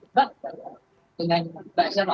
mbak dengan mbak siapa